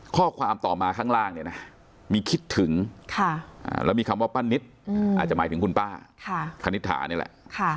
ข้อความต่อมาข้างล่างเนี่ยนะมีคิดถึงแล้วมีคำว่าป้านิตอาจจะหมายถึงคุณป้าคณิตถานี่แหละ